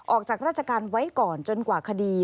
ออกจากราชการไว้ก่อนจนกว่าคดี